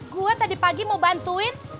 gue tadi pagi mau bantuin